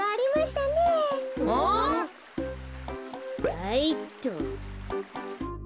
はいっと。